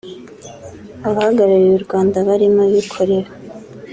Abahagarariye u Rwanda barimo abikorera